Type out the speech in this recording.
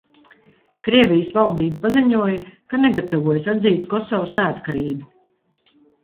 Krievijas valdība paziņoja, ka negatavojas atzīt Kosovas neatkarību.